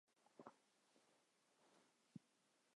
蛋白质是由特定氨基酸生成的多肽序列折叠而成。